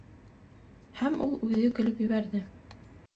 Һәм ул үҙе көлөп ебәрҙе.